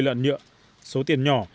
núi lợn nhựa số tiền nhỏ